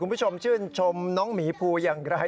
คุณผู้ชมชื่นชมน้องหมีภูอย่างไร